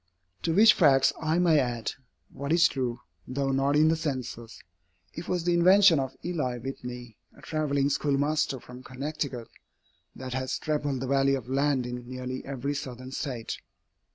To which facts I may add, what is true, though not in the Census, it was the invention of Eli Whitney, a travelling schoolmaster from Connecticut, that has trebled the value of land in nearly every Southern State.